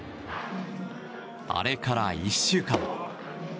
あれから１週間。